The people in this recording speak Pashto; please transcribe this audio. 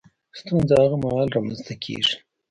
ستونزه هغه مهال رامنځ ته کېږي